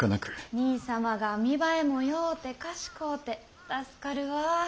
兄様が見栄えもようて賢うて助かるわぁ。